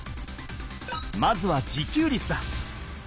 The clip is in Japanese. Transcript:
まずは自給率だ。